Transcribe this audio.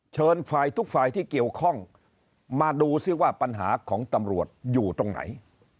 เชิญฝ่ายทุกฝ่ายที่เกี่ยวข้องมาดูซิว่าปัญหาของตำรวจอยู่ตรงไหน